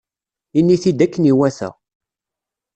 Ini-t-id akken iwata.